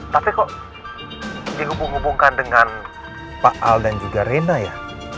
tapi kok dihubung hubungkan dengan pak al dan juga rina ya